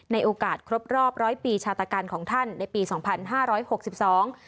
ในโอกาสครบรอบร้อยปีชาตการของท่านในปีสองพันห้าร้อยหกสิบสอง